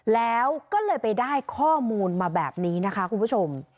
แล้วก็เลยไปได้ข้อมูลมาแบบนี้นะคะคุณผู้ชม